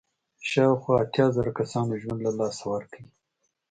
شاوخوا اتیا زره کسانو ژوند له لاسه ورکړ.